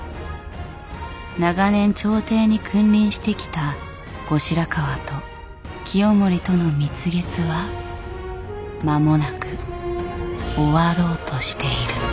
長年朝廷に君臨してきた後白河と清盛との蜜月は間もなく終わろうとしている。